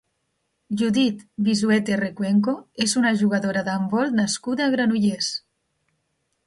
Judith Vizuete Recuenco és una jugadora d'handbol nascuda a Granollers.